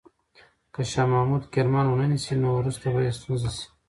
که شاه محمود کرمان ونه نیسي، نو وروسته به یې ستونزه شي.